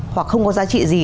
hoặc không có giá trị gì